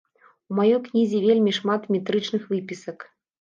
У маёй кнізе вельмі шмат метрычных выпісак.